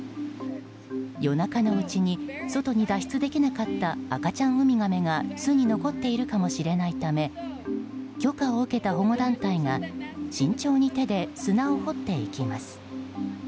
夜中のうちに外に脱出できなかった赤ちゃんウミガメが巣に残っているかもしれないため許可を受けた保護団体が慎重に手で砂を掘っていきます。